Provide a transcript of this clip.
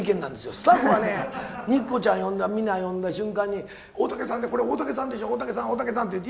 スタッフはね、肉子ちゃん読んだ、みんな読んだ瞬間に、大竹さんで、これ、大竹さんで、大竹さん、大竹さんって言って。